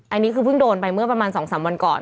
อันนี้คือเพิ่งโดนไปเมื่อประมาณ๒๓วันก่อน